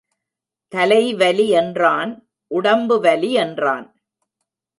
தலைவலி என்றான் உடம்பு வலி என்றான்.